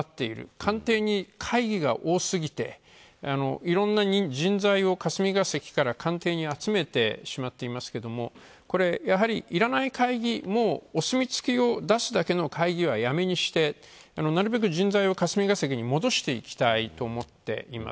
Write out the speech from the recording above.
官邸に会議が多すぎて、いろんな人材を霞が関から官邸に集めてしまっていますけども、やはり、いらない会議、お墨付きを出すだけの会議はやめにして、なるべく人材を霞が関に戻していきたいと思っています。